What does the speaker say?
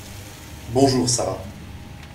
Bonjour Sara.